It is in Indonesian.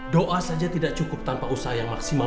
doa saja tidak cukup tanpa usaha yang maksimal